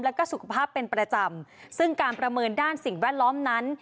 แล้วก็สุขภาพเป็นประจำซึ่งการประเมินด้านสิ่งแวดล้อมนั้น